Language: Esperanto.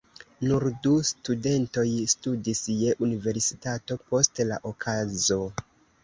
Nur du studentoj studis je universitato post la okazo.